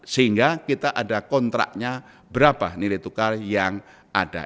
sehingga kita ada kontraknya berapa nilai tukar yang ada